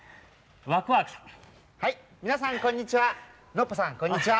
ノッポさんこんにちは。